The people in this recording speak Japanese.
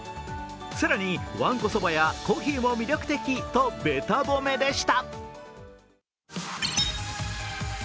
更に、わんこそばやコーヒーも魅力的とべた褒めでした。